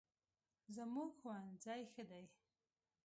زموږ ښوونځی ښه دی